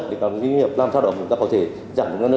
để các doanh nghiệp làm sao đó chúng ta có thể giảm được